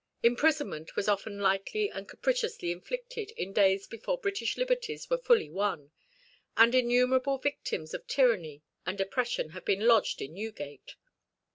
Imprisonment was often lightly and capriciously inflicted in days before British liberties were fully won, and innumerable victims of tyranny and oppression have been lodged in Newgate.